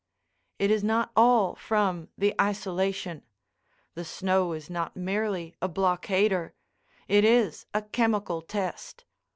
It is not all from the isolation; the snow is not merely a blockader; it is a Chemical Test.